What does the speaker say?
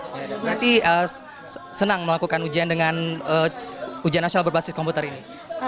berarti senang melakukan ujian dengan ujian nasional berbasis komputer ini